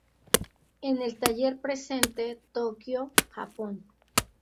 En el ""Taller Presente"", Tokio, Japón.